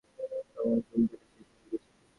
তখন জুম কাটা শেষ হইয়া গেছে।